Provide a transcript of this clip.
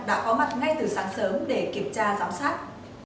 đã có mặt ngay từ sáng sớm để kiểm tra giám sát